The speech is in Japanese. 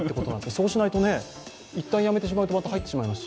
そうしないといったんやめてしまうとまた入ってしまいますし。